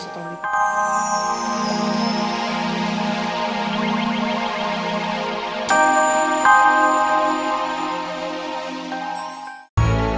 thank you ya pak